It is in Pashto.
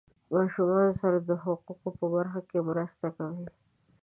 ماشومانو سره د حقوقو په برخه کې مرسته کوي.